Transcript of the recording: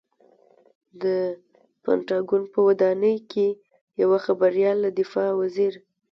د پنټاګون په ودانۍ کې یوه خبریال له دفاع وزیر